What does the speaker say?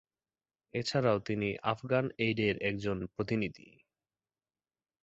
এছাড়াও তিনি Afghan Aid এর একজন প্রতিনিধি।